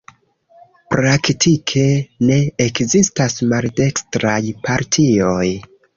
Praktike ne ekzistas maldekstraj partioj.